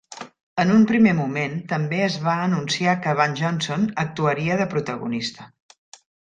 En un primer moment també es va anunciar que Van Johnson actuaria de protagonista.